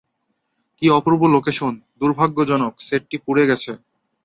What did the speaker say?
কী অপূর্ব লোকেশন, দুর্ভাগ্যজনক, সেটটি পুড়ে গেছে।